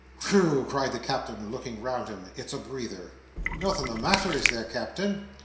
"Whew!" cried the Captain, looking round him. "It's a breather!" "Nothing the matter, is there, Captain?"